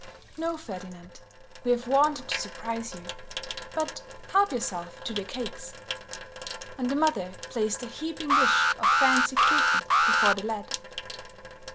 "No, Ferdinand, we've wanted to surprise you. But help yourself to the cakes," and the mother placed a heaping dish of fancy kuchen before the lad.